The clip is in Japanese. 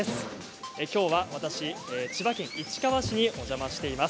きょうは私、千葉県市川市にお邪魔しています。